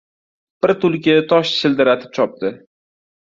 Bir tulki tosh shildiratib chopdi.